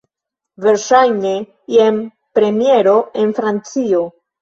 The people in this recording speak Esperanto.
Verŝajne, jen premiero en Francio.